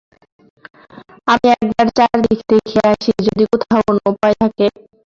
আমি একবার চারিদিকে দেখিয়া আসি যদি কোথাও কোন উপায় থাকে।